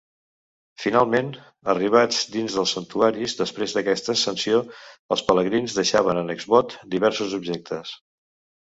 Finalment, arribats dins dels santuaris després d'aquesta ascensió, els pelegrins deixaven en exvot diversos objectes.